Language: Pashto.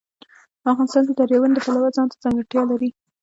افغانستان د دریابونه د پلوه ځانته ځانګړتیا لري.